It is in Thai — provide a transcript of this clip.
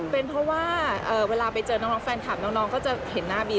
เป็นเพราะว่าเวลาไปเจอน้องแฟนคลับน้องก็จะเห็นหน้าบี